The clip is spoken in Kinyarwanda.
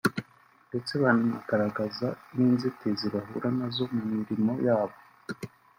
ndetse bagaragaza n’inzitizi bahura nazo mu mirimo yabo